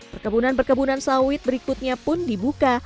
perkebunan perkebunan sawit berikutnya pun dibuka